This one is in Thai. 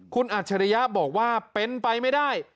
คุณอัจฉริยะบอกว่าเป็นไปไม่ได้